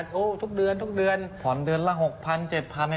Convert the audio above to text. ทุกเดือนทุกเดือนผ่อนเดือนละ๖๐๐๗๐๐